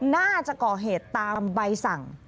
น่าจะก่อเหตุตามใบสั่ง